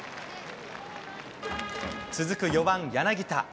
続く４番柳田。